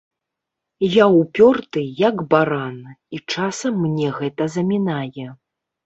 Я ўпёрты, як баран, і часам мне гэта замінае.